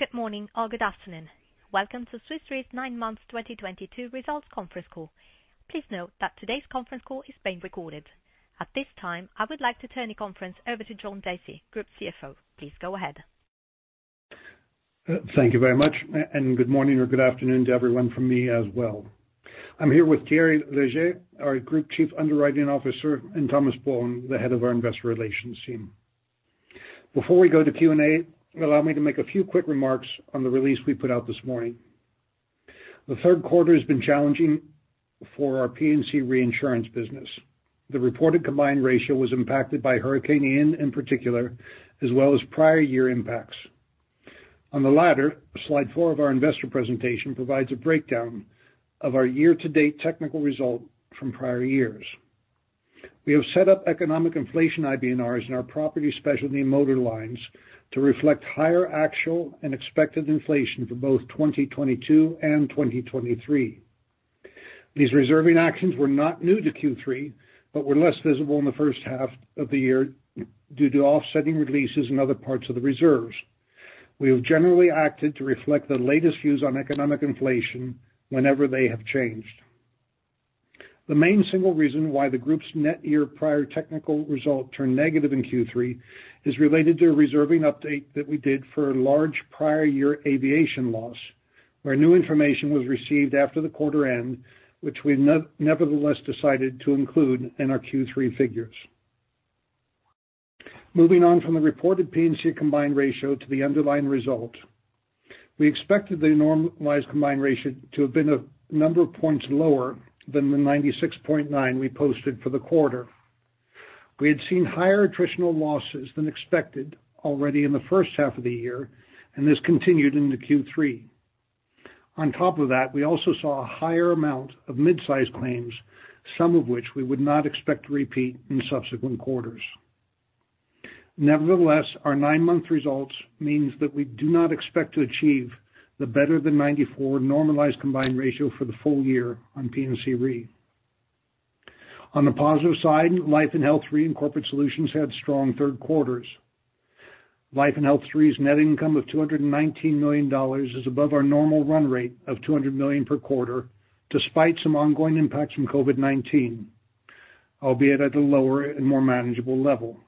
Good morning or good afternoon. Welcome to Swiss Re's Nine Months 2022 Results Conference call. Please note that today's conference call is being recorded. At this time, I would like to turn the conference over to John Dacey, Group CFO. Please go ahead. Thank you very much, and good morning or good afternoon to everyone from me as well. I'm here with Thierry Léger, our Group Chief Underwriting Officer, and Thomas Bohun, the Head of our Investor Relations team. Before we go to Q&A, allow me to make a few quick remarks on the release we put out this morning. The third quarter has been challenging for our P&C reinsurance business. The reported combined ratio was impacted by Hurricane Ian in particular, as well as prior year impacts. On the latter, slide four of our investor presentation provides a breakdown of our year-to-date technical result from prior years. We have set up economic inflation IBNRs in our property specialty motor lines to reflect higher actual and expected inflation for both 2022 and 2023. These reserving actions were not new to Q3, but were less visible in the first half of the year due to offsetting releases in other parts of the reserves. We have generally acted to reflect the latest views on economic inflation whenever they have changed. The main single reason why the group's net year prior technical result turned negative in Q3 is related to a reserving update that we did for a large prior year aviation loss, where new information was received after the quarter end, which we nevertheless decided to include in our Q3 figures. Moving on from the reported P&C combined ratio to the underlying result, we expected the normalized combined ratio to have been a number of points lower than the 96.9 we posted for the quarter. We had seen higher attritional losses than expected already in the first half of the year, and this continued into Q3. On top of that, we also saw a higher amount of midsize claims, some of which we would not expect to repeat in subsequent quarters. Nevertheless, our nine-month results means that we do not expect to achieve the better than 94% normalized combined ratio for the full year on P&C Re. On the positive side, Life & Health Reinsurance and Corporate Solutions had strong third quarters. Life & Health Reinsurance's net income of $219 million is above our normal run rate of $200 million per quarter, despite some ongoing impacts from COVID-19, albeit at a lower and more manageable level.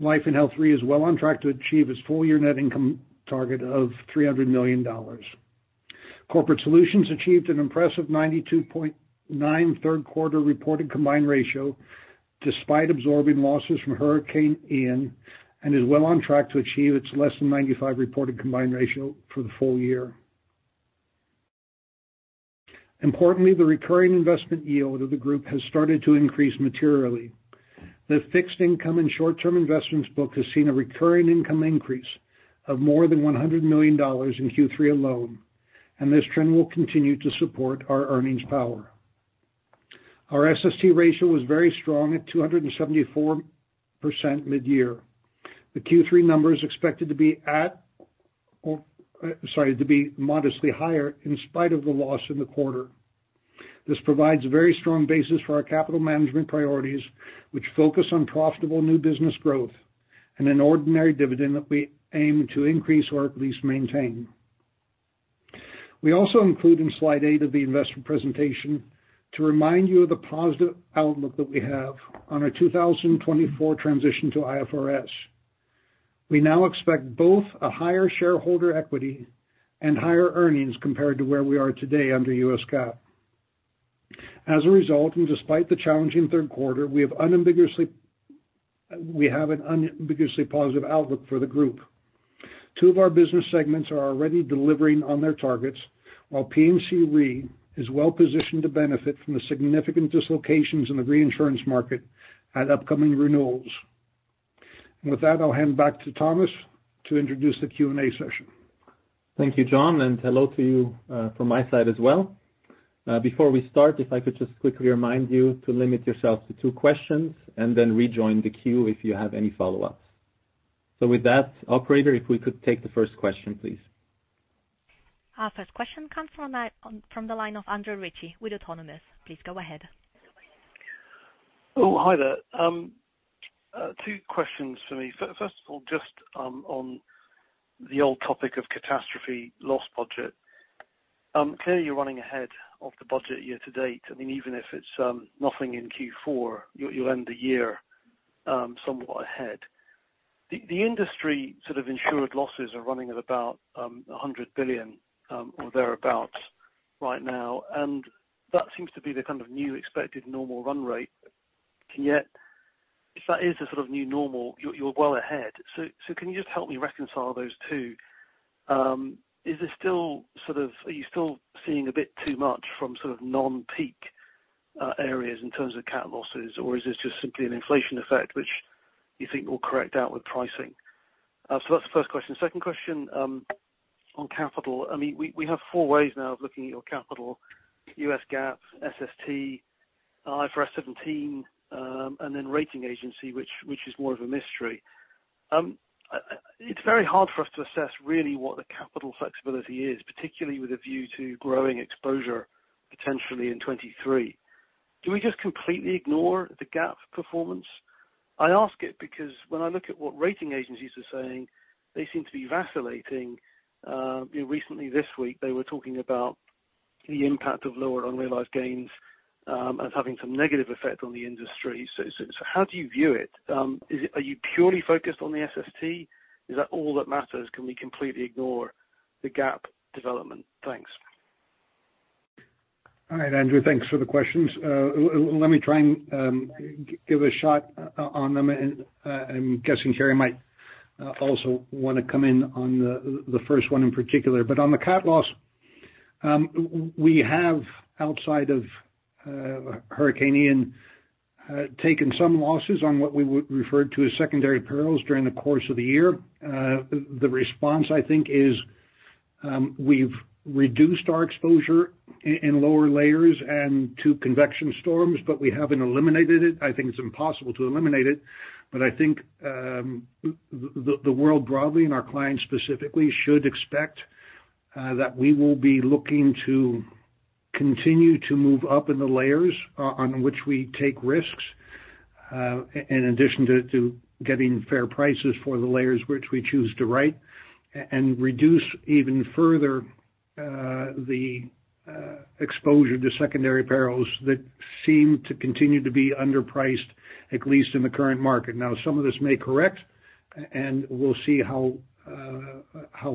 Life & Health Reinsurance is well on track to achieve its full-year net income target of $300 million. Corporate Solutions achieved an impressive 92.9% third quarter reported combined ratio, despite absorbing losses from Hurricane Ian, and is well on track to achieve its less than 95% reported combined ratio for the full year. Importantly, the recurring investment yield of the group has started to increase materially. The fixed income and short-term investments book has seen a recurring income increase of more than $100 million in Q3 alone, and this trend will continue to support our earnings power. Our SST ratio was very strong at 274% mid-year. The Q3 number is expected to be modestly higher in spite of the loss in the quarter. This provides a very strong basis for our capital management priorities, which focus on profitable new business growth and an ordinary dividend that we aim to increase or at least maintain. We also include in slide eight of the investor presentation to remind you of the positive outlook that we have on our 2024 transition to IFRS. We now expect both a higher shareholder equity and higher earnings compared to where we are today under U.S. GAAP. As a result, and despite the challenging third quarter, we have an unambiguously positive outlook for the group. Two of our business segments are already delivering on their targets, while P&C Re is well positioned to benefit from the significant dislocations in the reinsurance market at upcoming renewals. With that, I'll hand back to Thomas to introduce the Q&A session. Thank you, John, and hello to you, from my side as well. Before we start, if I could just quickly remind you to limit yourself to two questions and then rejoin the queue if you have any follow-ups. With that, operator, if we could take the first question, please. Our first question comes from the line of Andrew Ritchie with Autonomous. Please go ahead. Oh, hi there. Two questions for me. First of all, just on the old topic of catastrophe loss budget, clearly you're running ahead of the budget year to date. I mean, even if it's nothing in Q4, you'll end the year somewhat ahead. The industry sort of insured losses are running at about $100 billion or thereabouts right now. That seems to be the kind of new expected normal run rate. Yet, if that is the sort of new normal, you're well ahead. So can you just help me reconcile those two? Is there still sort of a bit too much from sort of non-peak areas in terms of cat losses? Or is this just simply an inflation effect which you think will correct out with pricing? That's the first question. Second question on capital. I mean, we have four ways now of looking at your capital, U.S. GAAP, SST, IFRS 17, and then rating agency, which is more of a mystery. It's very hard for us to assess really what the capital flexibility is, particularly with a view to growing exposure potentially in 2023. Do we just completely ignore the GAAP performance? I ask it because when I look at what rating agencies are saying, they seem to be vacillating. Recently, this week, they were talking about the impact of lower unrealized gains as having some negative effect on the industry. How do you view it? Are you purely focused on the SST? Is that all that matters? Can we completely ignore the GAAP development? Thanks. All right, Andrew. Thanks for the questions. Let me try and give a shot on them. I'm guessing Thierry might also wanna come in on the first one in particular. On the cat loss, we have, outside of Hurricane Ian, taken some losses on what we referred to as secondary perils during the course of the year. The response, I think, is, we've reduced our exposure in lower layers and to convection storms, but we haven't eliminated it. I think it's impossible to eliminate it. I think the world broadly and our clients specifically should expect that we will be looking to continue to move up in the layers on which we take risks, in addition to getting fair prices for the layers which we choose to write, and reduce even further the exposure to secondary perils that seem to continue to be underpriced, at least in the current market. Now, some of this may correct and we'll see how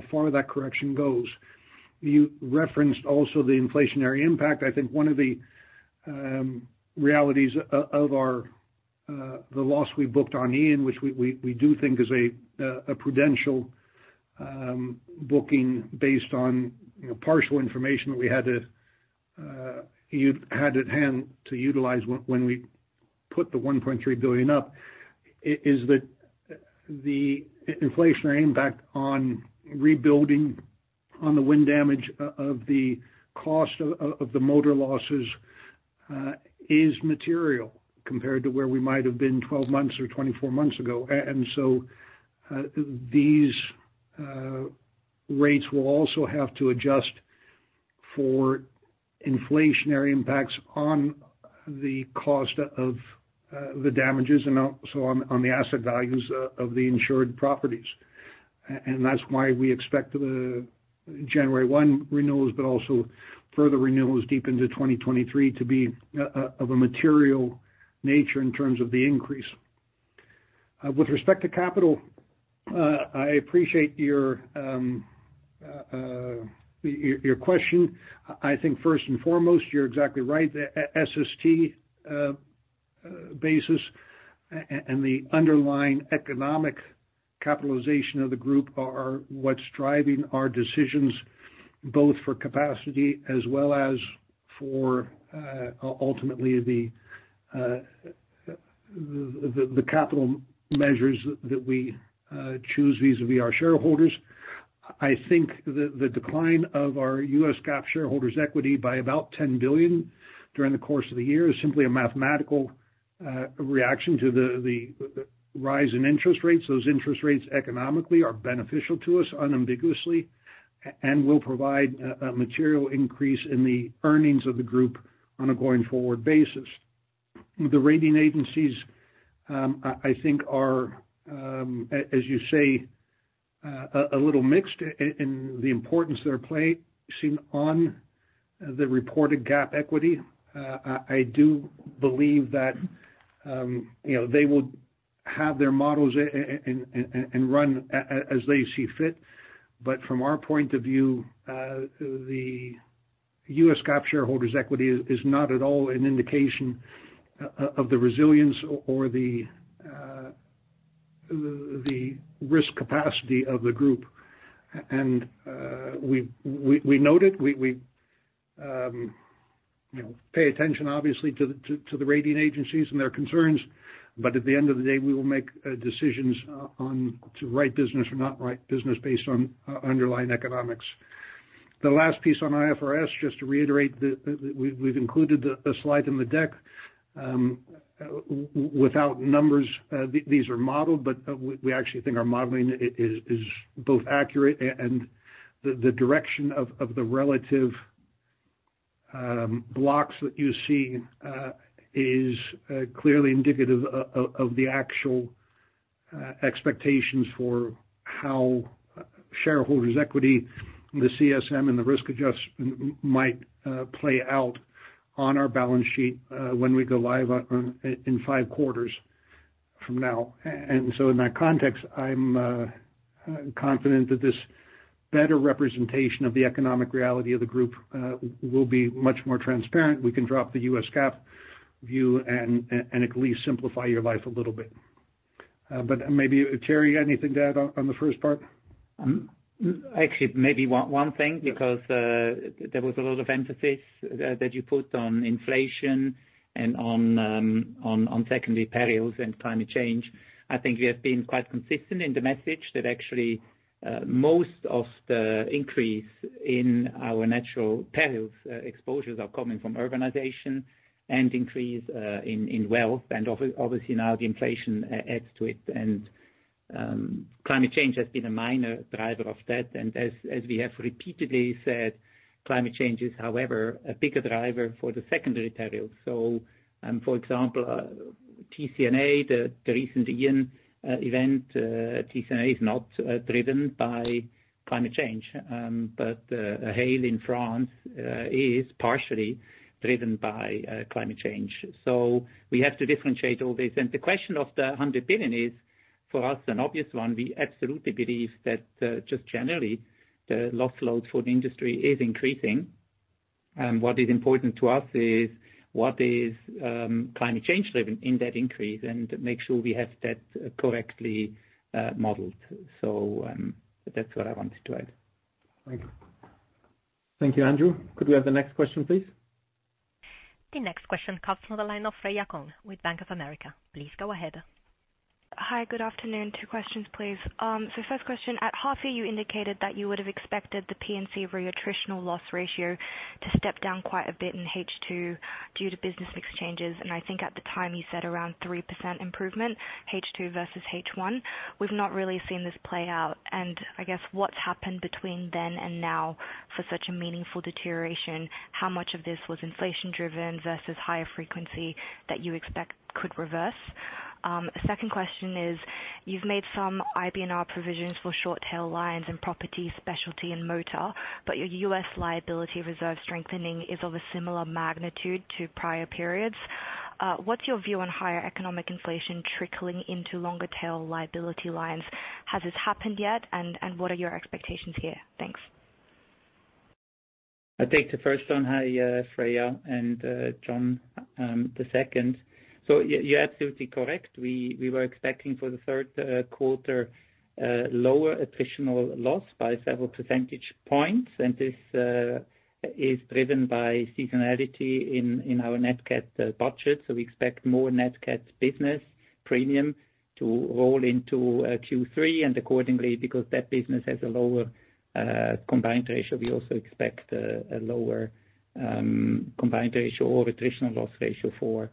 far that correction goes. You referenced also the inflationary impact. I think one of the realities of our loss we booked on Ian, which we do think is a prudent booking based on, you know, partial information that we had at hand to utilize when we put the $1.3 billion up, is that the inflationary impact on rebuilding on the wind damage of the cost of the Florida losses is material compared to where we might have been 12 months or 24 months ago. These rates will also have to adjust for inflationary impacts on the cost of the damages and also on the asset values of the insured properties. That's why we expect the January 1 renewals, but also further renewals deep into 2023 to be of a material nature in terms of the increase. With respect to capital, I appreciate your question. I think first and foremost, you're exactly right. The SST basis and the underlying economic capitalization of the group are what's driving our decisions, both for capacity as well as for ultimately the capital measures that we choose vis-a-vis our shareholders. I think the decline of our U.S. GAAP shareholders equity by about $10 billion during the course of the year is simply a mathematical reaction to the rise in interest rates. Those interest rates economically are beneficial to us unambiguously and will provide a material increase in the earnings of the group on a going-forward basis. The rating agencies, I think are, as you say, a little mixed in the importance they're placing on the reported GAAP equity. I do believe that, you know, they will have their models and run as they see fit. From our point of view, the U.S. GAAP shareholders equity is not at all an indication of the resilience or the risk capacity of the group. We note it, you know, pay attention obviously to the rating agencies and their concerns. At the end of the day, we will make decisions on to write business or not write business based on underlying economics. The last piece on IFRS, just to reiterate, we've included a slide in the deck, without numbers. These are modeled, but we actually think our modeling is both accurate and the direction of the relative blocks that you see is clearly indicative of the actual expectations for how shareholders equity, the CSM and the risk adjustment might play out on our balance sheet when we go live in five quarters from now. In that context, I'm confident that this better representation of the economic reality of the group will be much more transparent. We can drop the U.S. GAAP view and at least simplify your life a little bit. Maybe Thierry, anything to add on the first part? Actually, maybe one thing. Yeah. Because there was a lot of emphasis that you put on inflation and on secondary perils and climate change. I think we have been quite consistent in the message that actually Most of the increase in our natural perils exposures are coming from urbanization and increase in wealth. Obviously now the inflation adds to it. Climate change has been a minor driver of that. As we have repeatedly said, climate change is, however, a bigger driver for the secondary peril. For example, TCNA, the recent Hurricane Ian event, TCNA is not driven by climate change. But a hail in France is partially driven by climate change. We have to differentiate all this. The question of the $100 billion is, for us, an obvious one. We absolutely believe that, just generally, the loss load for the industry is increasing. What is important to us is what is climate change driven in that increase, and make sure we have that correctly modeled. That's what I wanted to add. Thank you. Thank you, Andrew. Could we have the next question, please? The next question comes from the line of Freya Kong with Bank of America. Please go ahead. Hi. Good afternoon. Two questions, please. First question. At half year, you indicated that you would have expected the P&C Re attritional loss ratio to step down quite a bit in H2 due to business mix changes. I think at the time, you said around 3% improvement, H2 versus H1. We've not really seen this play out, and I guess what's happened between then and now for such a meaningful deterioration, how much of this was inflation driven versus higher frequency that you expect could reverse? Second question is, you've made some IBNR provisions for short tail lines and property specialty and motor, but your U.S. liability reserve strengthening is of a similar magnitude to prior periods. What's your view on higher economic inflation trickling into longer tail liability lines? Has this happened yet? And what are your expectations here? Thanks. I'll take the first one. Hi, Freya, and John, the second. You're absolutely correct. We were expecting for the third quarter lower attritional loss by several percentage points. This is driven by seasonality in our nat cat budget. We expect more nat cat business premium to roll into Q3, and accordingly, because that business has a lower combined ratio, we also expect a lower combined ratio or attritional loss ratio for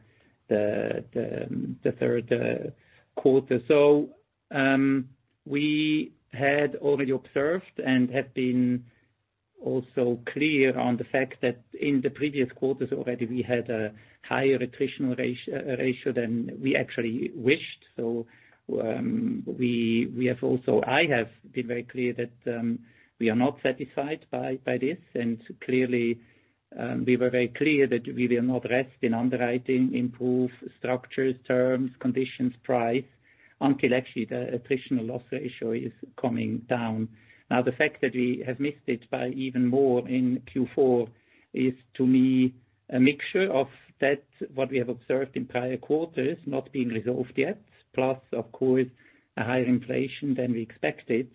the third quarter. We had already observed and have been also clear on the fact that in the previous quarters already we had a higher attritional ratio than we actually wished. We have also. I have been very clear that we are not satisfied by this. Clearly, we were very clear that we will not rest in underwriting, improve structures, terms, conditions, price, until actually the attritional loss ratio is coming down. Now, the fact that we have missed it by even more in Q4 is, to me, a mixture of that, what we have observed in prior quarters not being resolved yet, plus of course, a higher inflation than we expected.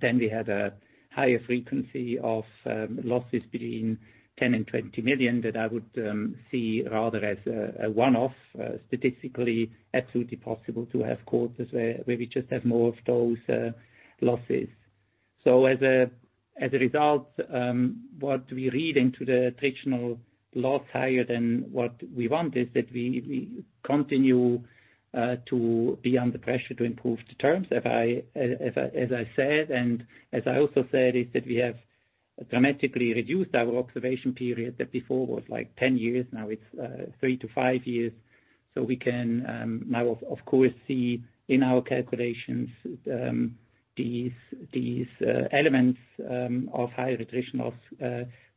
Then we had a higher frequency of losses between $10 million and $20 million that I would see rather as a one-off, statistically absolutely possible to have quarters where we just have more of those losses. As a result, what we read into the attritional loss higher than what we want is that we continue to be under pressure to improve the terms, as I said, and as I also said, is that we have dramatically reduced our observation period. That before was like 10 years, now it's three to five years. We can now of course see in our calculations these elements of higher attritional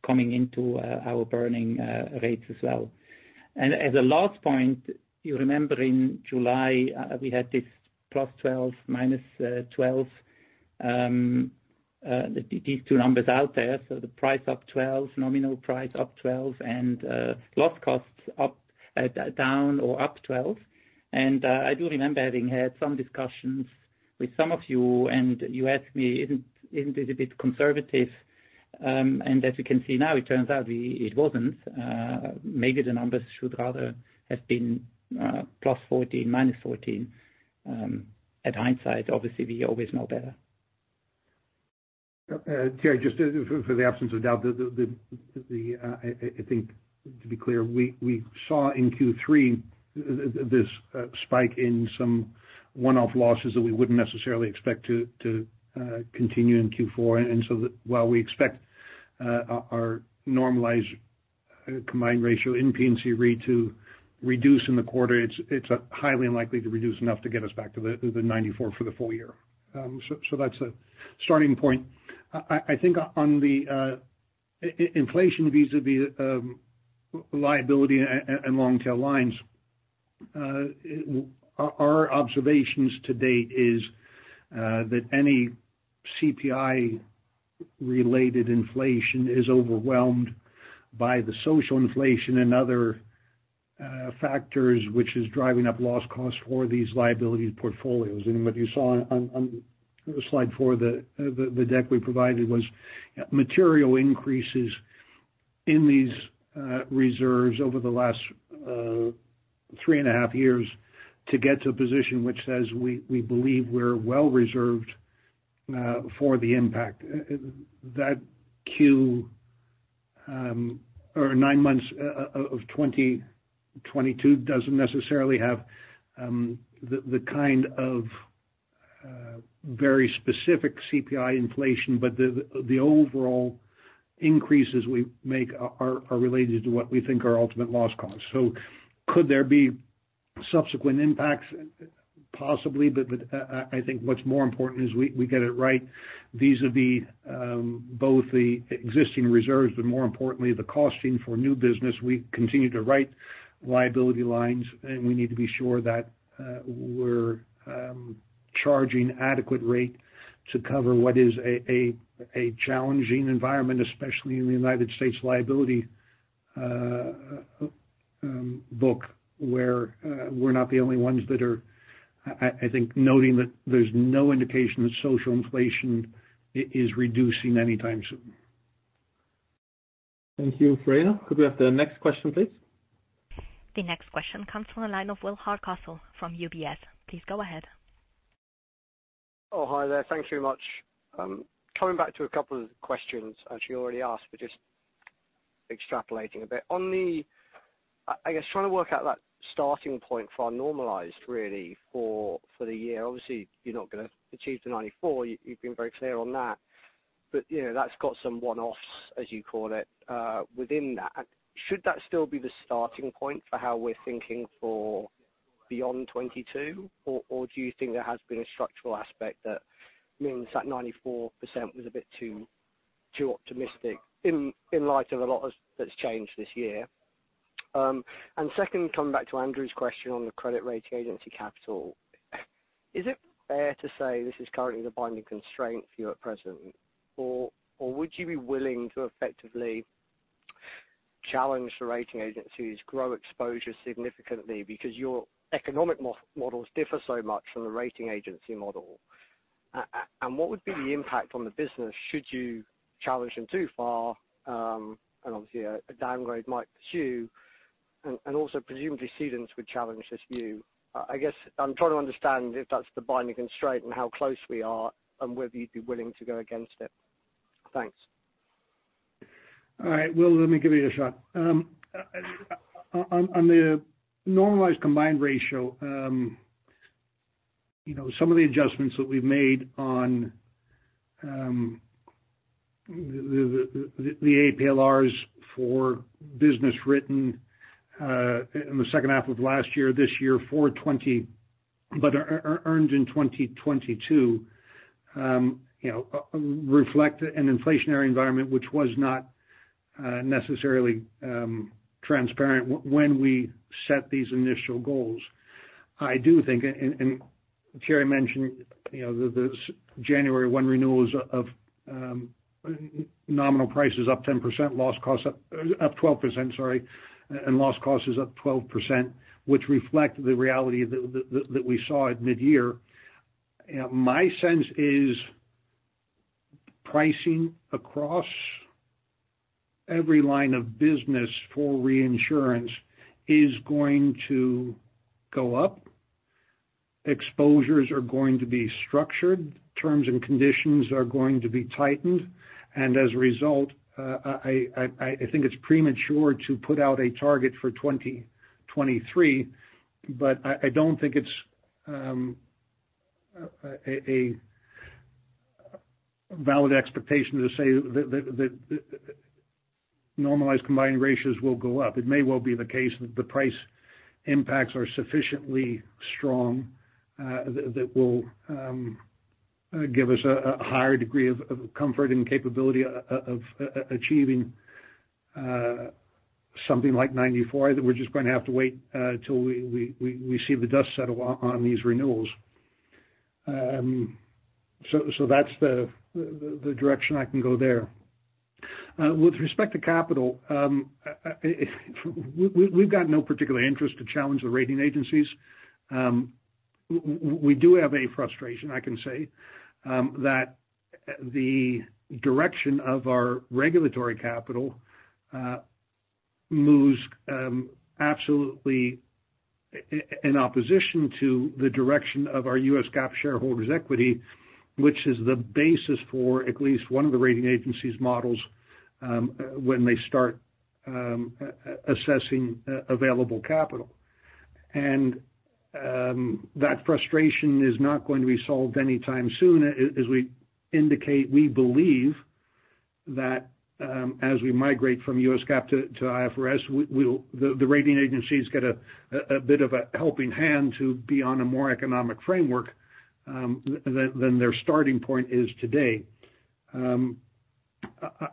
coming into our burning costs as well. As a last point, you remember in July we had this +12%, -12% these two numbers out there. The price up 12%, nominal price up 12%, and loss costs down or up 12%. I do remember having had some discussions with some of you, and you asked me, "Isn't this a bit conservative?" As you can see now, it turns out it wasn't. Maybe the numbers should rather have been +14%, -14%. In hindsight, obviously, we always know better. Terry, just for the avoidance of doubt, I think to be clear, we saw in Q3 this spike in some one-off losses that we wouldn't necessarily expect to continue in Q4. While we expect our normalized combined ratio in P&C Re to reduce in the quarter, it's highly unlikely to reduce enough to get us back to the 94% for the full year. That's a starting point. I think on the inflation vis-à-vis liability and long tail lines, our observations to date is that any CPI-related inflation is overwhelmed by the social inflation and other factors which is driving up loss costs for these liability portfolios. What you saw on slide four, the deck we provided, was material increases in these reserves over the last three and a half years to get to a position which says we believe we're well reserved for the impact. That Q3 or nine months of 2022 doesn't necessarily have the kind of very specific CPI inflation, but the overall increases we make are related to what we think are ultimate loss costs. Could there be subsequent impacts? Possibly, but I think what's more important is we get it right. These are both the existing reserves, but more importantly, the costing for new business. We continue to write liability lines, and we need to be sure that we're charging adequate rate to cover what is a challenging environment, especially in the United States liability book, where we're not the only ones that are, I think, noting that there's no indication that social inflation is reducing anytime soon. Thank you. Freya, could we have the next question, please? The next question comes from the line of Will Hardcastle from UBS. Please go ahead. Oh, hi there. Thank you very much. Coming back to a couple of questions actually already asked, but just extrapolating a bit. I guess trying to work out that starting point for normalized really for the year. Obviously, you're not gonna achieve the 94%. You've been very clear on that. But, you know, that's got some one-offs, as you call it, within that. Should that still be the starting point for how we're thinking for beyond 2022? Or do you think there has been a structural aspect that means that 94% was a bit too optimistic in light of a lot that's changed this year? And second, coming back to Andrew's question on the credit rating agency capital. Is it fair to say this is currently the binding constraint for you at present? Would you be willing to effectively challenge the rating agencies, grow exposure significantly because your economic models differ so much from the rating agency model? What would be the impact on the business should you challenge them too far, and obviously a downgrade might pursue, and also presumably cedents would challenge this view. I guess I'm trying to understand if that's the binding constraint and how close we are and whether you'd be willing to go against it. Thanks. All right. Will, let me give it a shot. On the normalized combined ratio, you know, some of the adjustments that we've made on the APLRs for business written in the second half of last year, this year, for 2022, but earned in 2022, you know, reflect an inflationary environment, which was not necessarily transparent when we set these initial goals. I do think, and Thierry mentioned, you know, the January 1 renewals of nominal prices up 10%, loss costs up 12%, sorry, and loss costs up 12%, which reflect the reality that we saw at mid-year. My sense is pricing across every line of business for reinsurance is going to go up. Exposures are going to be structured, terms and conditions are going to be tightened. As a result, I think it's premature to put out a target for 2023, but I don't think it's a valid expectation to say that normalized combined ratios will go up. It may well be the case that the price impacts are sufficiently strong, that that will give us a higher degree of comfort and capability of achieving something like 94%. That we're just gonna have to wait till we see the dust settle on these renewals. So that's the direction I can go there. With respect to capital, we've got no particular interest to challenge the rating agencies. We do have a frustration, I can say, that the direction of our regulatory capital moves absolutely in opposition to the direction of our U.S. GAAP shareholders' equity, which is the basis for at least one of the rating agencies' models, when they start assessing available capital. That frustration is not going to be solved anytime soon. As we indicate, we believe that, as we migrate from U.S. GAAP to IFRS, the rating agencies get a bit of a helping hand to be on a more economic framework than their starting point is today.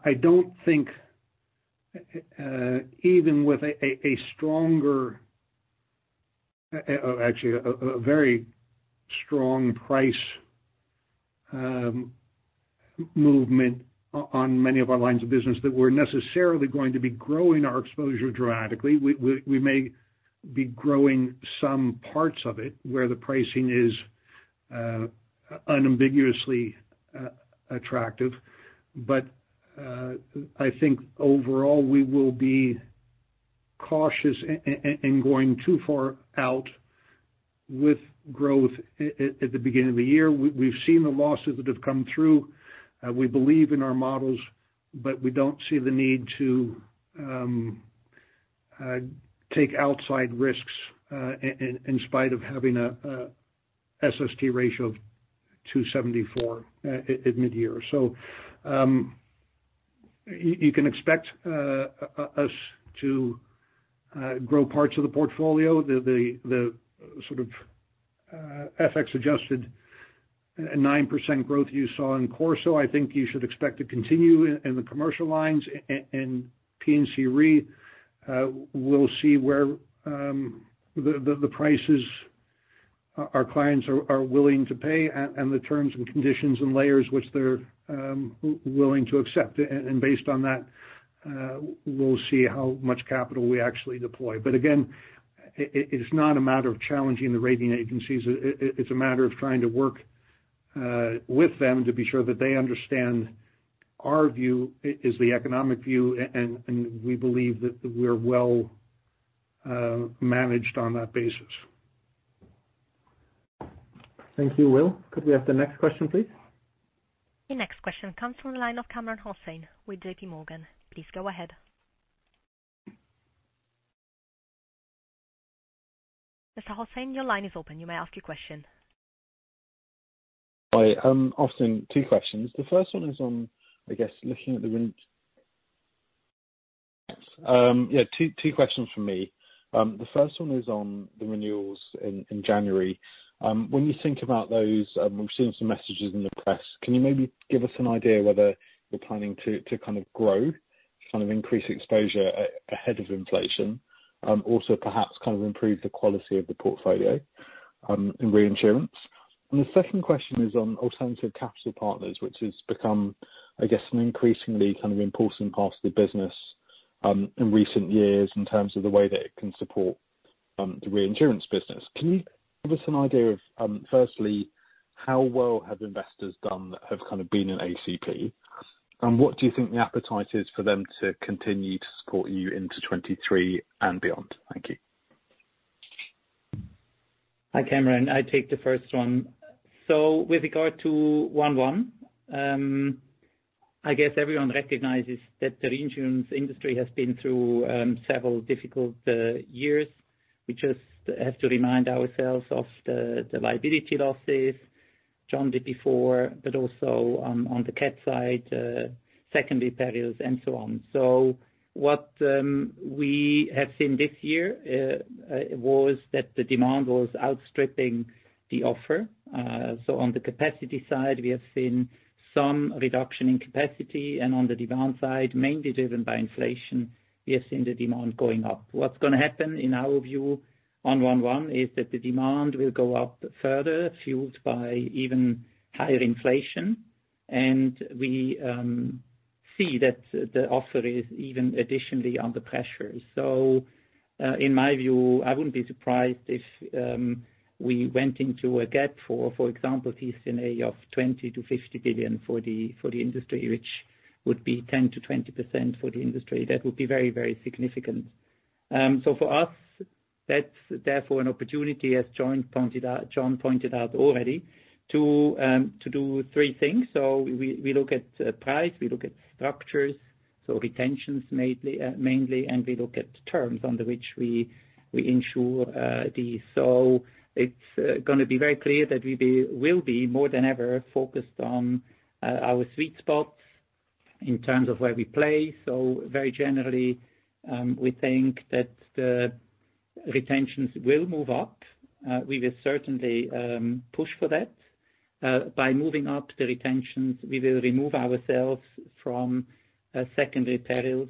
I don't think, even with a stronger, actually a very strong price movement on many of our lines of business that we're necessarily going to be growing our exposure dramatically. We may be growing some parts of it where the pricing is unambiguously attractive. I think overall, we will be cautious in going too far out with growth at the beginning of the year. We've seen the losses that have come through. We believe in our models, but we don't see the need to take outsized risks in spite of having a SST ratio of 274 at midyear. You can expect us to grow parts of the portfolio. The sort of FX adjusted 9% growth you saw in CorSo, I think you should expect to continue in the commercial lines and P&C Re. We'll see where the prices our clients are willing to pay and the terms and conditions and layers which they're willing to accept. Based on that, we'll see how much capital we actually deploy. Again, it's not a matter of challenging the rating agencies. It's a matter of trying to work with them to be sure that they understand our view is the economic view, and we believe that we're well managed on that basis. Thank you, Will. Could we have the next question, please? The next question comes from the line of Kamran Hossain with JPMorgan. Please go ahead. Mr. Hossain, your line is open. You may ask your question. Hi, asking two questions. The first one is on the renewals in January. When you think about those, we've seen some messages in the press. Can you maybe give us an idea whether you're planning to kind of grow, kind of increase exposure ahead of inflation? Also perhaps kind of improve the quality of the portfolio in reinsurance. The second question is on Alternative Capital Partners, which has become an increasingly kind of important part of the business in recent years in terms of the way that it can support the reinsurance business. Can you give us an idea of firstly, how well have investors done that have kind of been in ACP? What do you think the appetite is for them to continue to support you into 2023 and beyond? Thank you. Hi, Kamran Hossain. I take the first one. With regard to 1/1, I guess everyone recognizes that the reinsurance industry has been through several difficult years. We just have to remind ourselves of the volatility losses John Dacey cited before, but also on the cat side, secondary perils and so on. What we have seen this year was that the demand was outstripping the offer. On the capacity side, we have seen some reduction in capacity, and on the demand side, mainly driven by inflation, we have seen the demand going up. What's going to happen, in our view, on 1/1, is that the demand will go up further, fueled by even higher inflation. We see that the offer is even additionally under pressure. In my view, I wouldn't be surprised if we went into a gap for example, TCNA of $20 billion-$50 billion for the industry, which would be 10%-20% for the industry. That would be very significant. For us, that's therefore an opportunity, as John pointed out already, to do three things. We look at price, we look at structures, so retentions mainly, and we look at terms under which we insure these. It's gonna be very clear that we'll be more than ever focused on our sweet spots in terms of where we play. Very generally, we think that the retentions will move up. We will certainly push for that. By moving up the retentions, we will remove ourselves from secondary perils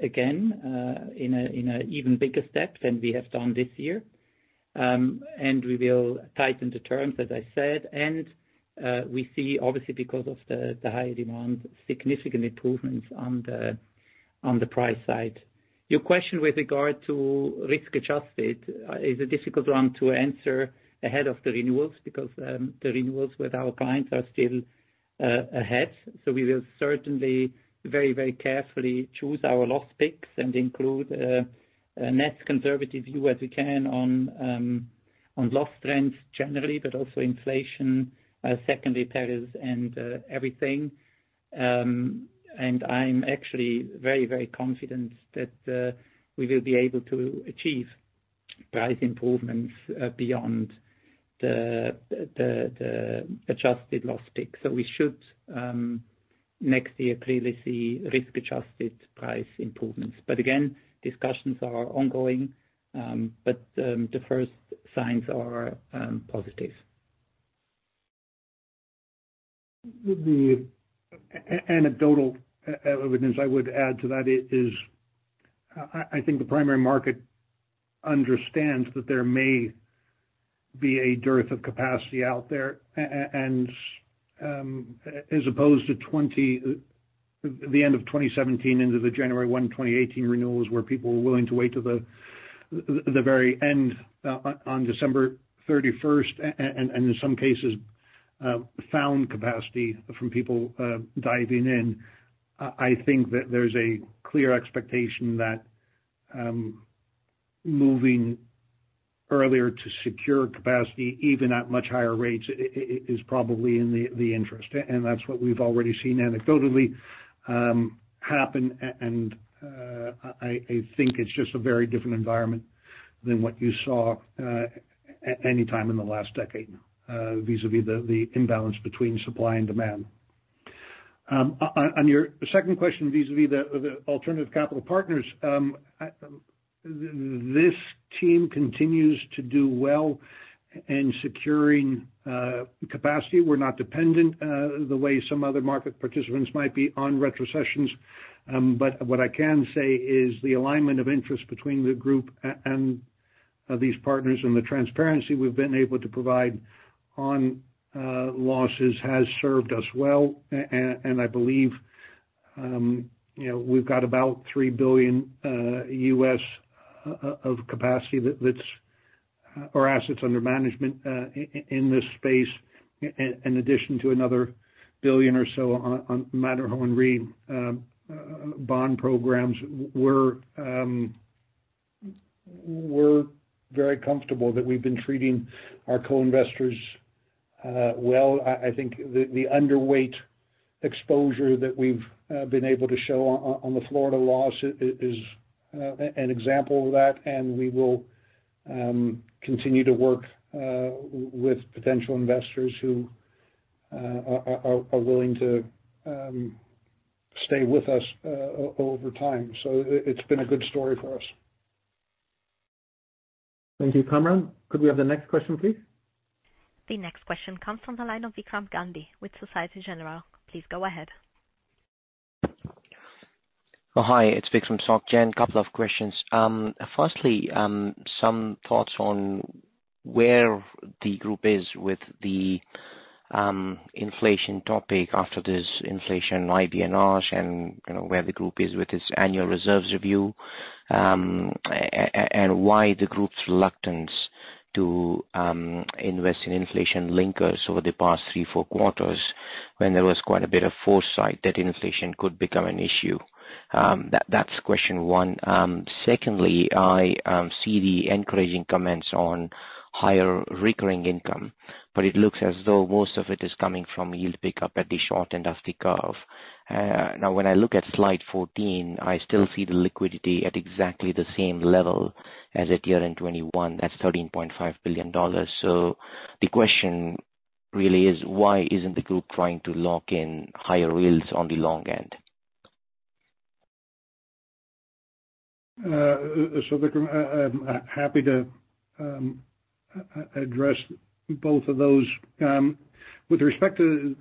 again in an even bigger step than we have done this year. We will tighten the terms, as I said. We see obviously, because of the higher demand, significant improvements on the price side. Your question with regard to risk-adjusted is a difficult one to answer ahead of the renewals because the renewals with our clients are still ahead. We will certainly very carefully choose our loss picks and include a net conservative view as we can on loss trends generally, but also inflation, secondary perils and everything. I'm actually very confident that we will be able to achieve price improvements beyond the adjusted loss pick. We should next year clearly see risk-adjusted price improvements. Again, discussions are ongoing, but the first signs are positive. The anecdotal evidence I would add to that is, I think the primary market understands that there may be a dearth of capacity out there and, as opposed to the end of 2017 into the January 1, 2018 renewals where people were willing to wait till the very end on December 31st, and in some cases, found capacity from people diving in. I think that there's a clear expectation that moving earlier to secure capacity, even at much higher rates, is probably in the interest. That's what we've already seen anecdotally happen. I think it's just a very different environment than what you saw at any time in the last decade vis-à-vis the imbalance between supply and demand. On your second question vis-à-vis the alternative capital partners, this team continues to do well in securing capacity. We're not dependent the way some other market participants might be on retrocessions. What I can say is the alignment of interest between the group and these partners and the transparency we've been able to provide on losses has served us well. I believe, you know, we've got about $3 billion of capacity that's or assets under management in this space in addition to another $1 billion or so on Matterhorn Re bond programs. We're very comfortable that we've been treating our co-investors well. I think the underweight exposure that we've been able to show on the Florida loss is an example of that, and we will continue to work with potential investors who are willing to stay with us over time. It's been a good story for us. Thank you. Kamran, could we have the next question, please? The next question comes from the line of Vikram Gandhi with Societe Generale. Please go ahead. Oh, hi, it's Vikram from Societe Generale. Couple of questions. Firstly, some thoughts on where the group is with the inflation topic after this inflation IBNR and, you know, where the group is with its annual reserves review, and why the group's reluctance to invest in inflation linkers over the past three-four quarters when there was quite a bit of foresight that inflation could become an issue. That's question one. Secondly, I see the encouraging comments on higher recurring income, but it looks as though most of it is coming from yield pickup at the short end of the curve. Now when I look at slide 14, I still see the liquidity at exactly the same level as at year-end 2021. That's $13.5 billion. The question really is why isn't the group trying to lock in higher yields on the long end? Vikram, I'm happy to address both of those. With respect to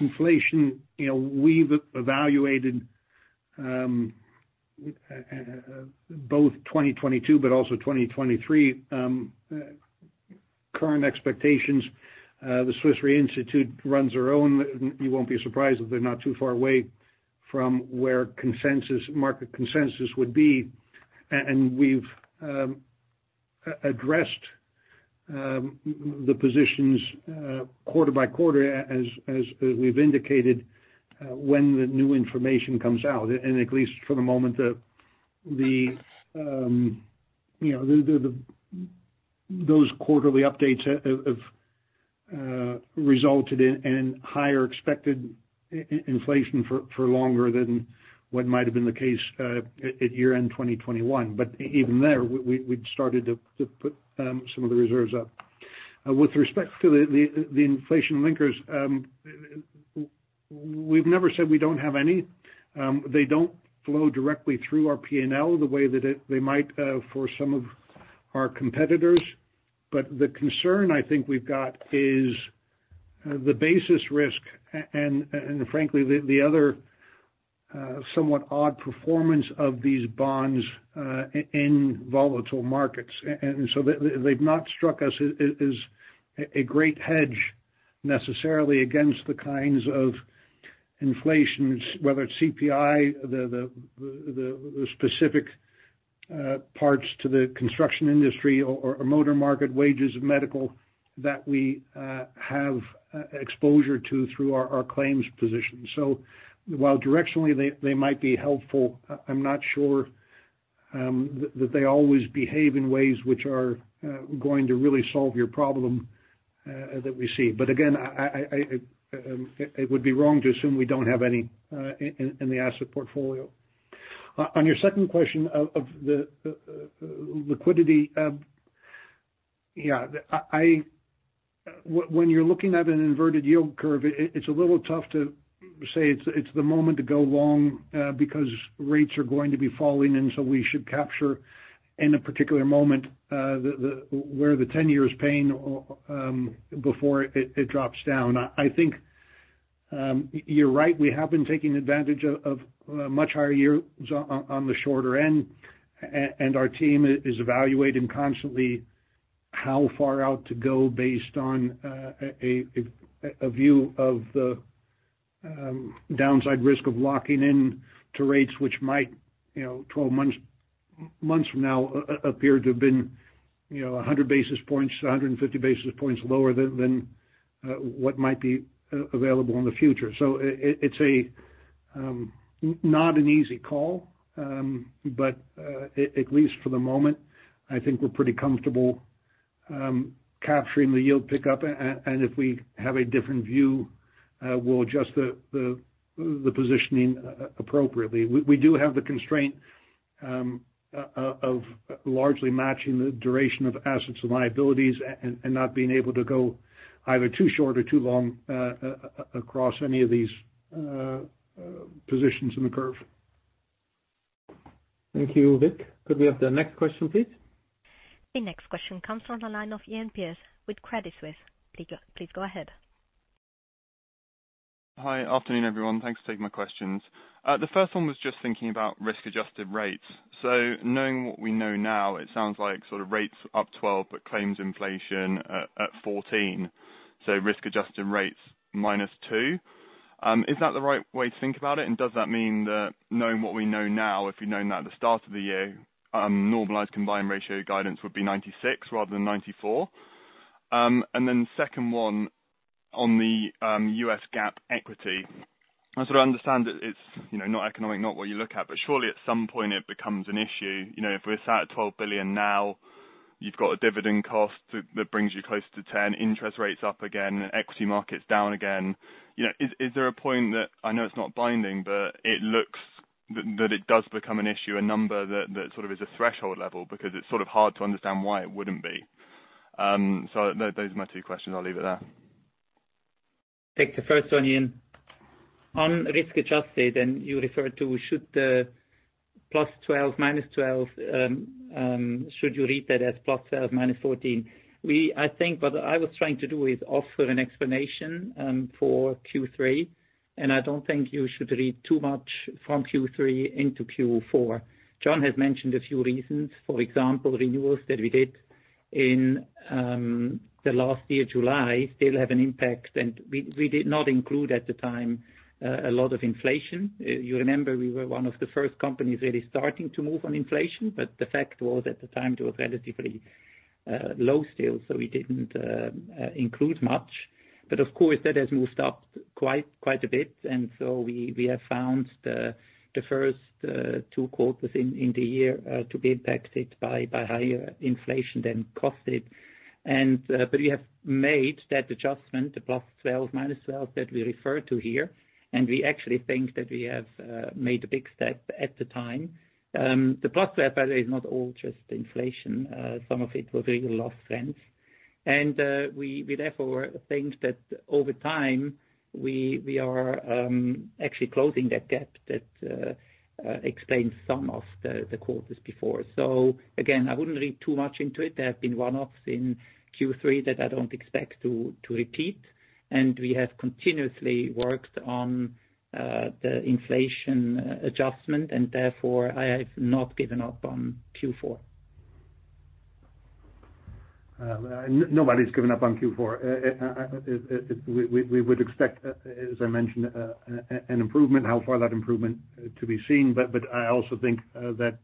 inflation, you know, we've evaluated both 2022 but also 2023 current expectations. The Swiss Re Institute runs their own. You won't be surprised that they're not too far away from where market consensus would be. We've addressed the positions quarter by quarter as we've indicated when the new information comes out. At least for the moment, you know, those quarterly updates have resulted in higher expected inflation for longer than what might have been the case at year-end 2021. Even there, we've started to put some of the reserves up. With respect to the inflation linkers, we've never said we don't have any. They don't flow directly through our P&L the way that they might for some of our competitors. The concern I think we've got is the basis risk and frankly the other somewhat odd performance of these bonds in volatile markets. They've not struck us as a great hedge necessarily against the kinds of inflation, whether it's CPI, the specific parts to the construction industry or motor market wages, medical that we have exposure to through our claims position. While directionally they might be helpful, I'm not sure that they always behave in ways which are going to really solve your problem that we see. Again, it would be wrong to assume we don't have any in the asset portfolio. On your second question on liquidity, yeah. When you're looking at an inverted yield curve, it's a little tough to say it's the moment to go long because rates are going to be falling, and so we should capture in a particular moment the where the 10-year is paying before it drops down. I think you're right. We have been taking advantage of much higher yields on the shorter end. Our team is evaluating constantly how far out to go based on a view of the downside risk of locking in to rates which might, you know, 12 months from now appear to have been, you know, 100 basis points to 150 basis points lower than what might be available in the future. It's not an easy call, but at least for the moment, I think we're pretty comfortable capturing the yield pickup. If we have a different view, we'll adjust the positioning appropriately. We do have the constraint of largely matching the duration of assets and liabilities and not being able to go either too short or too long across any of these positions in the curve. Thank you, Vik. Could we have the next question, please? The next question comes from the line of Iain Pearce with Credit Suisse. Please go ahead. Hi. Afternoon, everyone. Thanks for taking my questions. The first one was just thinking about risk-adjusted rates. Knowing what we know now, it sounds like sort of rates up 12%, but claims inflation at 14%, so risk-adjusted rates minus 2%. Is that the right way to think about it? Does that mean that knowing what we know now, if we'd known that at the start of the year, normalized combined ratio guidance would be 96% rather than 94%? The second one on the U.S. GAAP equity. I sort of understand that it's, you know, not economic, not what you look at, but surely at some point it becomes an issue. You know, if we're sat at $12 billion now, you've got a dividend cost that brings you closer to $10 billion, interest rates up again, equity markets down again. You know, is there a point that I know it's not binding, but it looks that it does become an issue, a number that sort of is a threshold level because it's sort of hard to understand why it wouldn't be. Those are my two questions. I'll leave it there. Take the first one, Iain. On risk-adjusted, and you referred to should the +12%, -12%, should you read that as +12%, -14%? I think what I was trying to do is offer an explanation for Q3, and I don't think you should read too much from Q3 into Q4. John has mentioned a few reasons. For example, renewals that we did in the last year, July, still have an impact. We did not include at the time a lot of inflation. You remember, we were one of the first companies really starting to move on inflation. The fact was, at the time, it was relatively low still, so we didn't include much. Of course, that has moved up quite a bit. We have found the first two quarters in the year to be impacted by higher inflation than forecasted. We have made that adjustment, the +12%, -12% that we refer to here. We actually think that we have made a big step at the time. The +12%, by the way, is not all just inflation. Some of it was real loss trends. We therefore think that over time, we are actually closing that gap that explains some of the quarters before. Again, I wouldn't read too much into it. There have been one-offs in Q3 that I don't expect to repeat, and we have continuously worked on the inflation adjustment, and therefore I have not given up on Q4. Nobody's given up on Q4. We would expect, as I mentioned, an improvement, how far that improvement to be seen. I also think that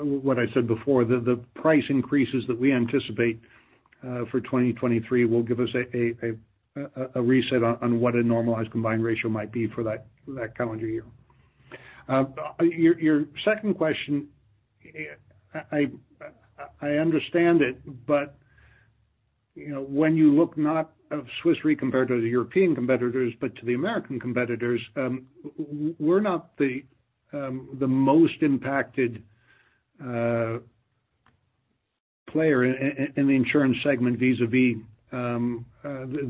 what I said before, the price increases that we anticipate for 2023 will give us a reset on what a normalized combined ratio might be for that calendar year. Your second question, I understand it, but you know, when you look not at Swiss Re compared to the European competitors, but to the American competitors, we're not the most impacted player in the insurance segment vis-à-vis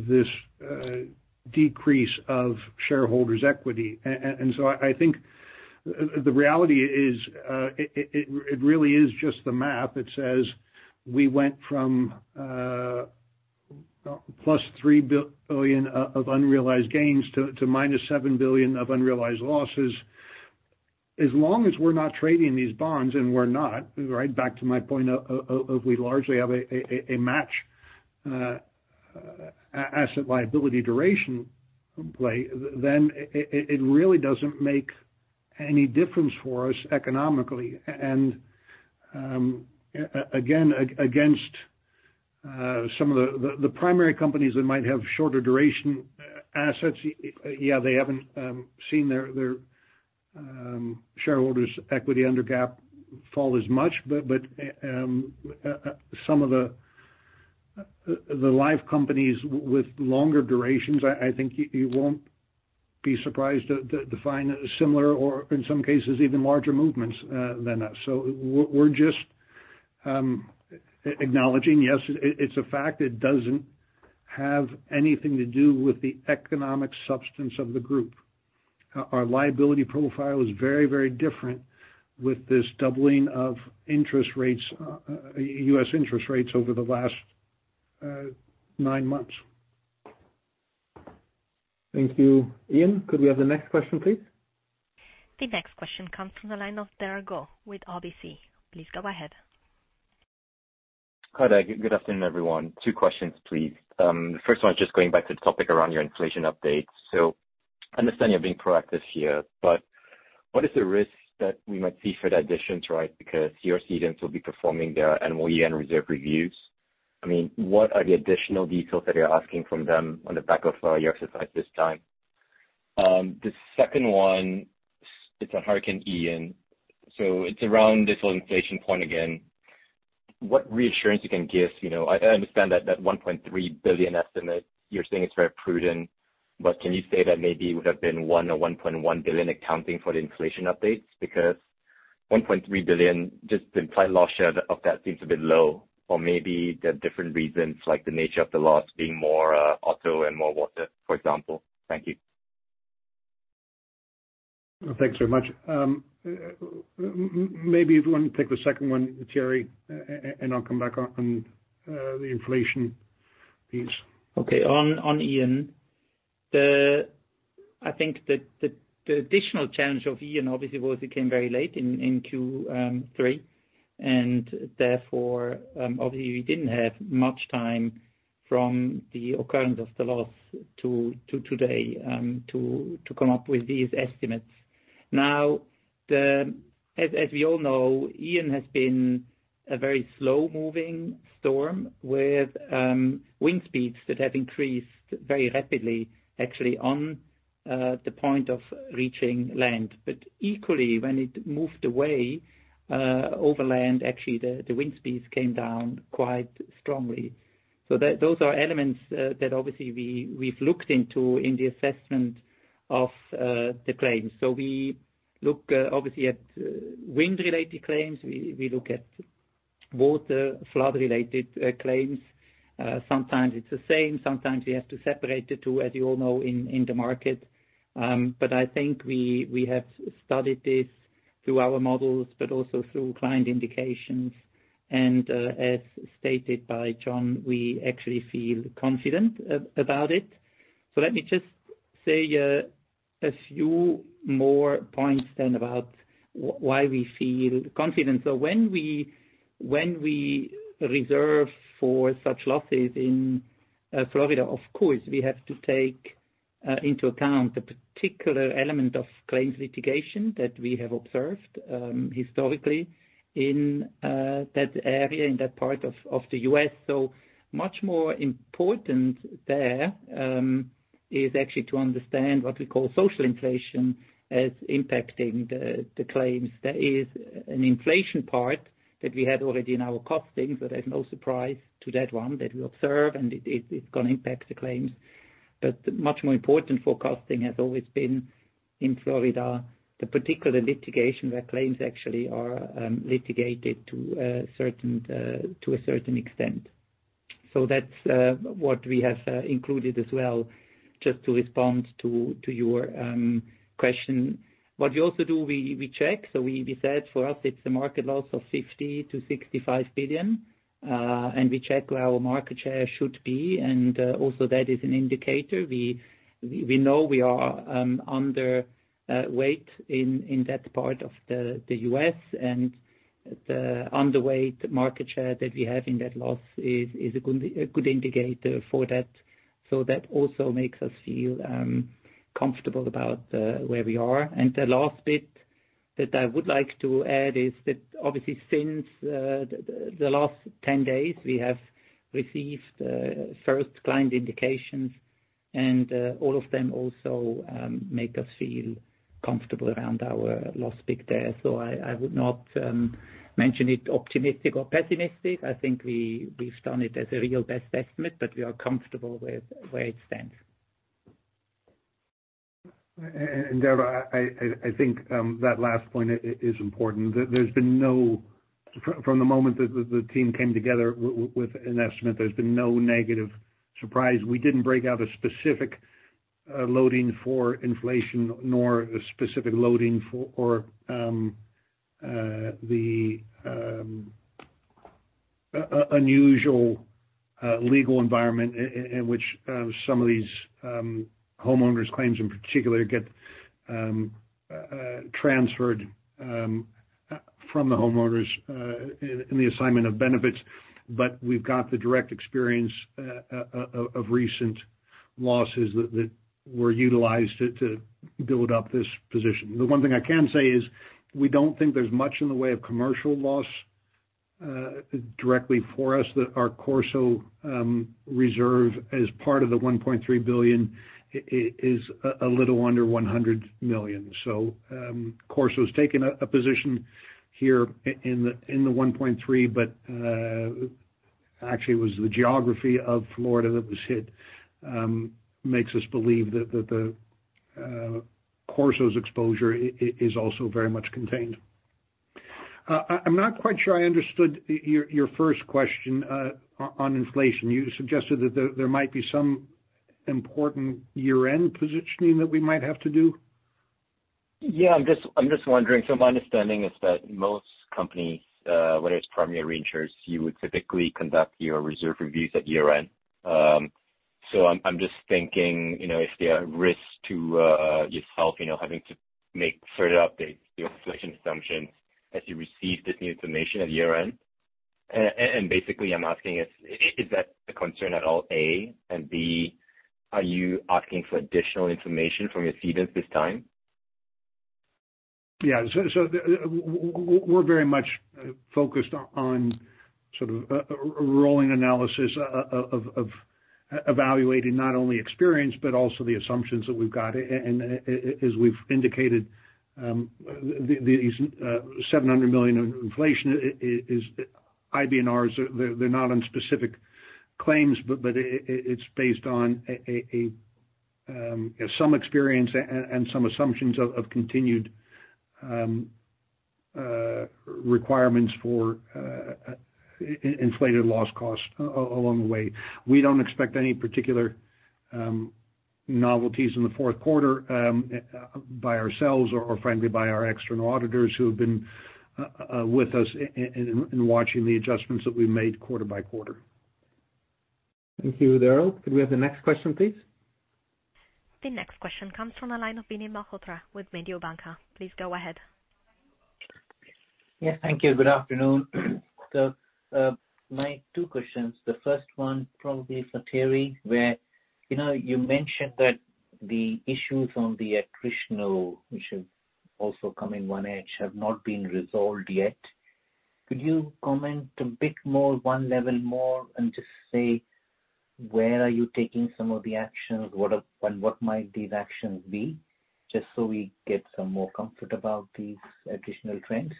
this decrease of shareholders' equity. I think the reality is, it really is just the math. It says we went from +$3 billion of unrealized gains to -$7 billion of unrealized losses. As long as we're not trading these bonds, and we're not, right back to my point of we largely have a match asset liability duration play, then it really doesn't make any difference for us economically. Again, against some of the primary companies that might have shorter duration assets, yeah, they haven't seen their shareholders' equity under GAAP fall as much. Some of the life companies with longer durations, I think you won't be surprised to find similar or in some cases even larger movements than us. We're just acknowledging, yes, it's a fact. It doesn't have anything to do with the economic substance of the group. Our liability profile is very, very different with this doubling of interest rates, U.S. interest rates over the last nine months. Thank you, Iain. Could we have the next question, please? The next question comes from the line of Derald Goh with RBC. Please go ahead. Hi there. Good afternoon, everyone. Two questions, please. The first one is just going back to the topic around your inflation updates. Understand you're being proactive here, but what is the risk that we might see for the additions, right, because your cedents will be performing their annual year-end reserve reviews. I mean, what are the additional details that you're asking from them on the back of your exercise this time? The second one, it's on Hurricane Ian. It's around this whole inflation point again. What reassurance you can give? You know, I understand that $1.3 billion estimate, you're saying it's very prudent. Can you say that maybe it would have been $1 billion or $1.1 billion accounting for the inflation updates? Because $1.3 billion, just the implied loss share of that seems a bit low or maybe there are different reasons like the nature of the loss being more, auto and more water, for example. Thank you. Thanks very much. Maybe why don't you take the second one, Thierry, and I'll come back on the inflation piece. Okay. On Ian, I think the additional challenge of Ian obviously was it came very late in Q3, and therefore, obviously we didn't have much time from the occurrence of the loss to today to come up with these estimates. Now, as we all know, Ian has been a very slow-moving storm with wind speeds that have increased very rapidly, actually on the point of reaching land. Equally, when it moved away over land, actually the wind speeds came down quite strongly. Those are elements that obviously we've looked into in the assessment of the claims. We look obviously at wind-related claims. We look at water, flood-related claims. Sometimes it's the same, sometimes we have to separate the two, as you all know, in the market. I think we have studied this through our models, but also through client indications. As stated by John, we actually feel confident about it. Let me just say a few more points then about why we feel confident. When we reserve for such losses in Florida, of course, we have to take into account the particular element of claims litigation that we have observed historically in that area, in that part of the U.S. Much more important there is actually to understand what we call social inflation as impacting the claims. There is an inflation part that we had already in our costing, but there's no surprise to that one that we observe, and it's gonna impact the claims. Much more important, forecasting has always been in Florida, the particular litigation where claims actually are litigated to a certain extent. That's what we have included as well, just to respond to your question. What we also do, we check. We said for us it's a market loss of $50 billion-$65 billion, and we check where our market share should be. Also that is an indicator. We know we are underweight in that part of the U.S. and the underweight market share that we have in that loss is a good indicator for that. That also makes us feel comfortable about where we are. The last bit that I would like to add is that obviously since the last ten days, we have received first client indications, and all of them also make us feel comfortable around our loss pick there. I would not mention it optimistic or pessimistic. I think we've done it as a real best estimate, but we are comfortable with where it stands. Derald, I think that last point is important. From the moment that the team came together with an estimate, there's been no negative surprise. We didn't break out a specific loading for inflation, nor a specific loading for the unusual legal environment in which some of these homeowners claims in particular get transferred from the homeowners in the assignment of benefits. We've got the direct experience of recent losses that were utilized to build up this position. The one thing I can say is we don't think there's much in the way of commercial loss directly for us, that our Corso reserve as part of the $1.3 billion is a little under $100 million. Corso's taken a position here in the $1.3 billion, but actually it was the geography of Florida that was hit, makes us believe that the Corso's exposure is also very much contained. I'm not quite sure I understood your first question on inflation. You suggested that there might be some important year-end positioning that we might have to do. Yeah. I'm just wondering. My understanding is that most companies, whether it's primary or reinsurers, you would typically conduct your reserve reviews at year-end. I'm just thinking, you know, if there are risks to yourself, you know, having to make further updates to your inflation assumptions as you receive this new information at year-end. Basically, I'm asking, is that a concern at all, A? And B, are you asking for additional information from your cedents this time? We're very much focused on sort of rolling analysis of evaluating not only experience but also the assumptions that we've got. As we've indicated, these $700 million in inflation is IBNRs. They're not on specific claims, but it's based on some experience and some assumptions of continued requirements for inflated loss costs along the way. We don't expect any particular novelties in the fourth quarter by ourselves or frankly, by our external auditors who have been with us and watching the adjustments that we've made quarter by quarter. Thank you, Derald. Could we have the next question, please? The next question comes from the line of Vinit Malhotra with Mediobanca. Please go ahead. Yes, thank you. Good afternoon. My two questions. The first one probably for Thierry, where, you know, you mentioned that the issues on the attritional, which have also come in on edge, have not been resolved yet. Could you comment a bit more, one level more, and just say, where are you taking some of the actions, and what might these actions be, just so we get some more comfort about these attritional trends?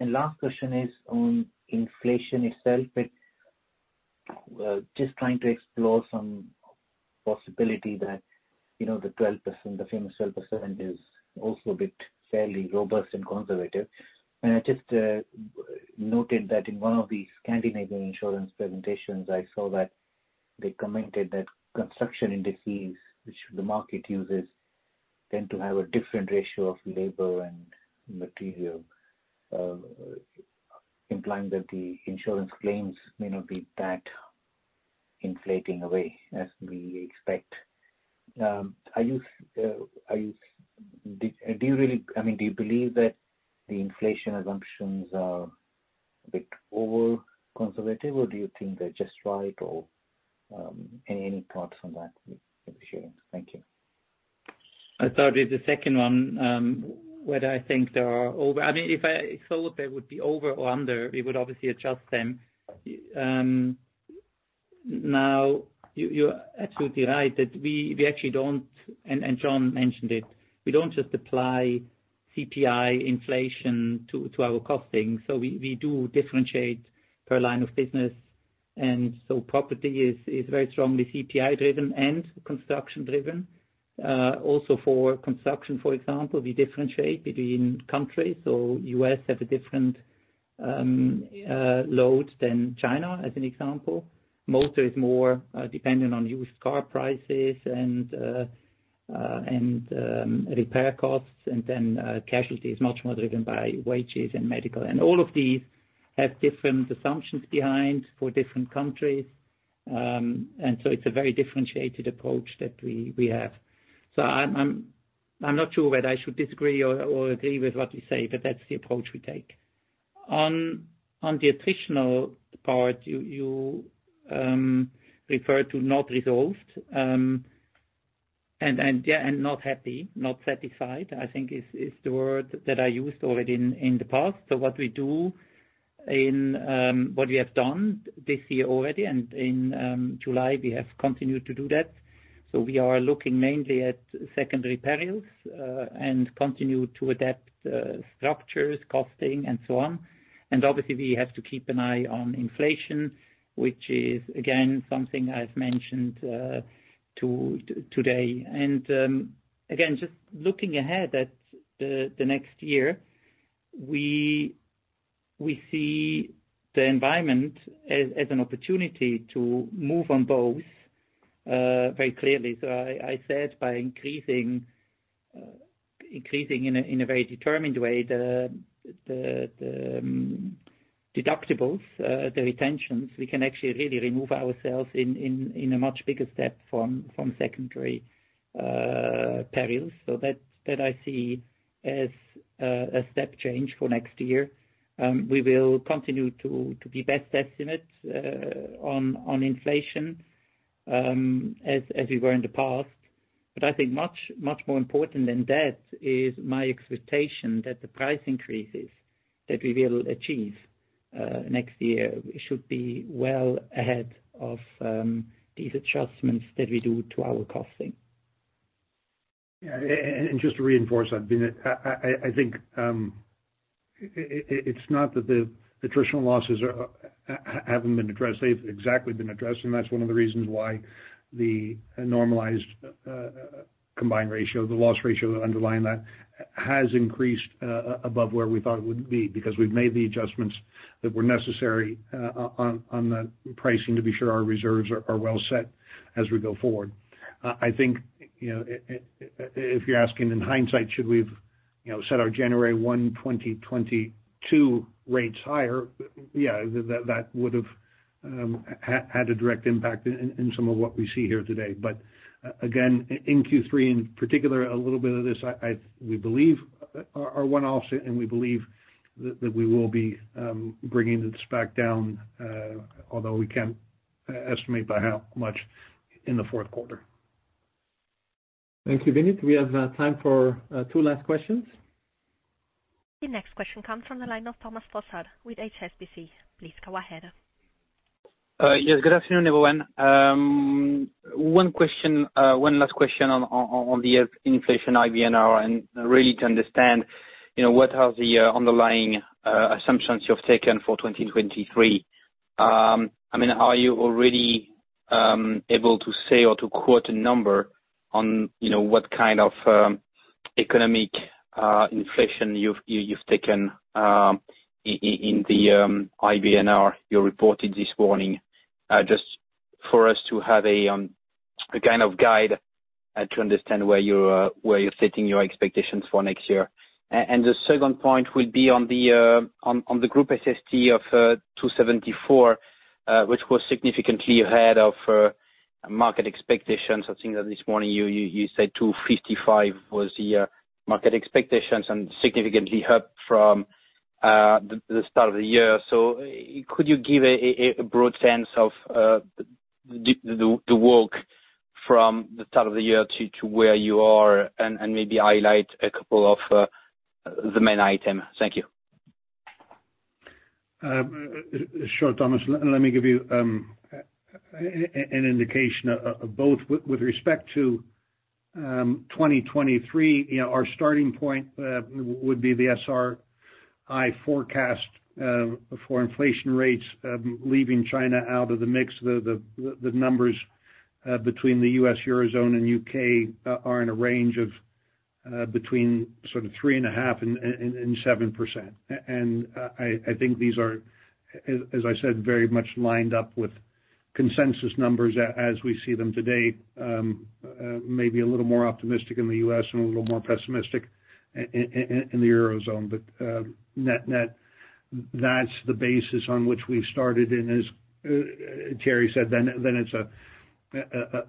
Last question is on inflation itself. It's just trying to explore some possibility that, you know, the 12%, the famous 12% is also a bit fairly robust and conservative. I just noted that in one of the Scandinavian insurance presentations, I saw that they commented that construction indices, which the market uses, tend to have a different ratio of labor and material, implying that the insurance claims may not be that inflating away as we expect. I mean, do you believe that the inflation assumptions are a bit overly conservative, or do you think they're just right, or any thoughts on that would be appreciated. Thank you. I'll start with the second one. Whether I think they are over. I mean, if I thought they would be over or under, we would obviously adjust them. Now, you're absolutely right that we actually don't, and John mentioned it, we don't just apply CPI inflation to our costing. We do differentiate per line of business. Property is very strongly CPI driven and construction driven. Also for construction, for example, we differentiate between countries. U.S. Have a different load than China, as an example. Motor is more dependent on used car prices and repair costs. Casualty is much more driven by wages and medical. All of these have different assumptions behind for different countries. It's a very differentiated approach that we have. I'm not sure whether I should disagree or agree with what you say, but that's the approach we take. On the attritional part, you refer to not resolved, and not happy, not satisfied, I think is the word that I used already in the past. what we do in what we have done this year already and in July, we have continued to do that. we are looking mainly at secondary perils, and continue to adapt, structures, costing and so on. obviously, we have to keep an eye on inflation, which is again, something I've mentioned, today. again, just looking ahead at the next year, we see the environment as an opportunity to move on both, very clearly. I said by increasing, in a very determined way, the deductibles, the retentions, we can actually really remove ourselves in a much bigger step from secondary perils. That I see as a step change for next year. We will continue to be best estimate on inflation as we were in the past. I think much more important than that is my expectation that the price increases that we will achieve next year should be well ahead of these adjustments that we do to our costing. Yeah. Just to reinforce, I mean, I think it's not that the attritional losses haven't been addressed. They've exactly been addressed, and that's one of the reasons why the normalized combined ratio, the loss ratio underlying that, has increased above where we thought it would be because we've made the adjustments that were necessary on the pricing to be sure our reserves are well set as we go forward. I think, you know, if you're asking in hindsight, should we have set our January 1, 2022 rates higher? Yeah. That would've had a direct impact in some of what we see here today. Again, in Q3 in particular, a little bit of this we believe are one-offs, and we believe that we will be bringing this back down, although we can't estimate by how much in the fourth quarter. Thank you, Vinit. We have time for two last questions. The next question comes from the line of Thomas Fossard with HSBC. Please go ahead. Yes. Good afternoon, everyone. One last question on the inflation IBNR, and really to understand, you know, what are the underlying assumptions you've taken for 2023. I mean, are you already able to say or to quote a number on, you know, what kind of economic inflation you've taken in the IBNR you reported this morning, just for us to have a kind of guide to understand where you're setting your expectations for next year. The second point will be on the group SST of 274, which was significantly ahead of market expectations. I think that this morning you said 255 was the market expectations and significantly up from the start of the year. Could you give a broad sense of the walk from the start of the year to where you are and maybe highlight a couple of the main item? Thank you. Sure, Thomas. Let me give you an indication of both. With respect to 2023, you know, our starting point would be the SRI forecast for inflation rates, leaving China out of the mix. The numbers between the U.S., Eurozone, and U.K. are in a range of between sort of 3.5% and 7%. I think these are, as I said, very much lined up with consensus numbers as we see them to date. Maybe a little more optimistic in the U.S. and a little more pessimistic in the Eurozone. Net net, that's the basis on which we started, and as Thierry said, then it's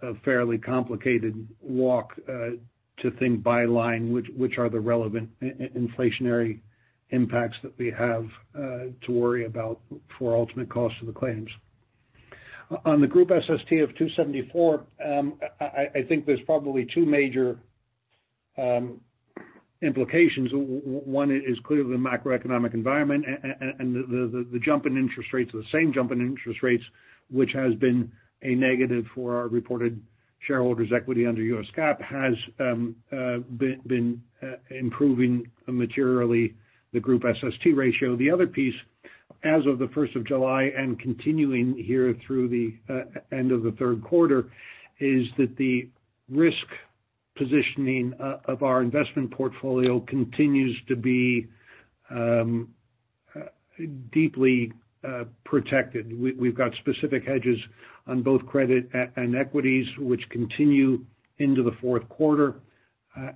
a fairly complicated walk to think by line which are the relevant inflationary impacts that we have to worry about for ultimate cost of the claims. On the group SST of 274, I think there's probably two major implications. One is clearly the macroeconomic environment and the jump in interest rates or the same jump in interest rates, which has been a negative for our reported shareholders' equity under U.S. GAAP, has been improving materially the group SST ratio. The other piece, as of the first of July and continuing here through the end of the third quarter, is that the risk positioning of our investment portfolio continues to be deeply protected. We've got specific hedges on both credit and equities which continue into the fourth quarter,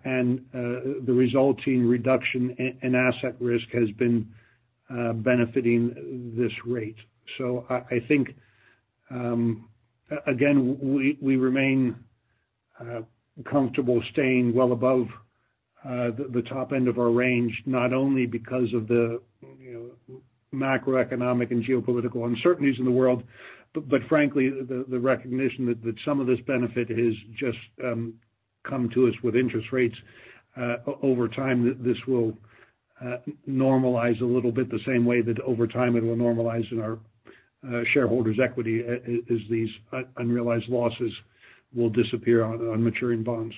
and the resulting reduction in asset risk has been benefiting this rate. I think, again, we remain comfortable staying well above the top end of our range, not only because of the, you know, macroeconomic and geopolitical uncertainties in the world, but frankly, the recognition that some of this benefit has just come to us with interest rates. Over time, this will normalize a little bit, the same way that over time, it will normalize in our shareholders' equity as these unrealized losses will disappear on maturing bonds.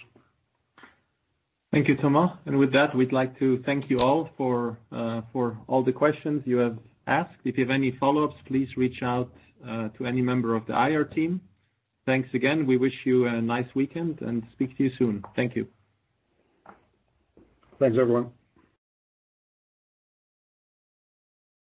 Thank you, Thomas. With that, we'd like to thank you all for all the questions you have asked. If you have any follow-ups, please reach out to any member of the IR team. Thanks again. We wish you a nice weekend, and speak to you soon. Thank you. Thanks, everyone.